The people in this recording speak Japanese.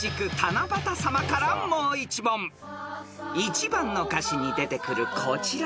［１番の歌詞に出てくるこちらの言葉］